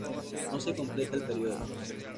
No se completa el periodo.